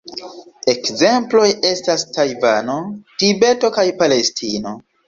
Ekzemploj estas Tajvano, Tibeto kaj Palestino.